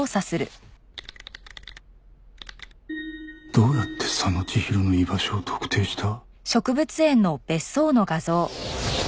どうやって佐野千広の居場所を特定した？